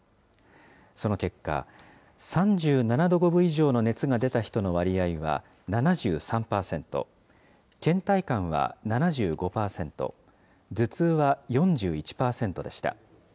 その結果、３７度５分以上の熱が出た人の割合は７３％、けん怠感は７５％、頭痛は４１％でした。